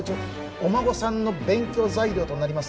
お孫さんの勉強材料となります